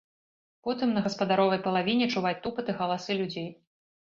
Потым на гаспадаровай палавіне чуваць тупат і галасы людзей.